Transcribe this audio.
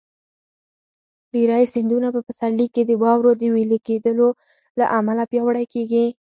ډېری سیندونه په پسرلي کې د واورو د وېلې کېدو له امله پیاوړي کېږي.